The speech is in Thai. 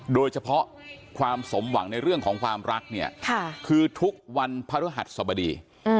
โดยเฉพาะความสมหวังในเรื่องของความรักเนี่ยคือทุกวันพระฤหัสสบดี